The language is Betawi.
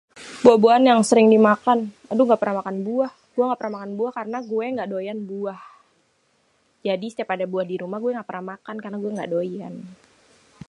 Buah-buahan yang sering dimakan. aduh engga pernah makan buah, gua engga pernah makan buah karena gua engga doyan buah, jadi setiap ada buah di rumah gua engga pernah makan karena gué engga doyan.